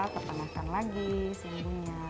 pertanahkan lagi sumbunya